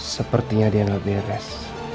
sepertinya dia gak beres